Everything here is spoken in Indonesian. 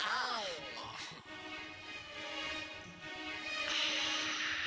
aduh enak banget